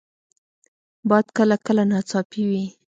باد کله کله ناڅاپي وي